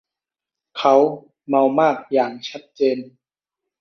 เค้าเมามากอย่างชัดเจน